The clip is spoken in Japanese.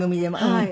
はい。